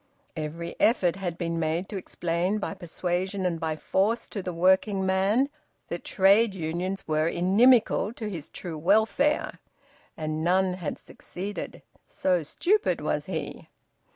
Every effort had been made to explain by persuasion and by force to the working man that trade unions were inimical to his true welfare, and none had succeeded, so stupid was he.